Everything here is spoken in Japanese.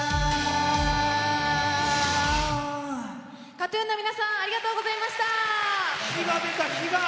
ＫＡＴ‐ＴＵＮの皆さんありがとうございました！